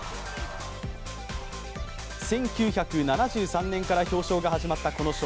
１９７３年から表彰が始まったこの賞。